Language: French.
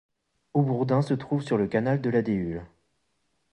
Haubourdin se trouve sur le canal de la Deûle.